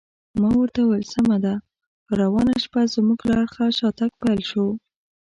ما ورته وویل: سمه ده، راروانه شپه زموږ له اړخه شاتګ پیل شو.